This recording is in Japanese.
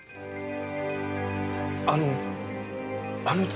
あのあの壺